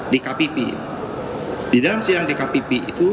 di dalam sidang pkpb itu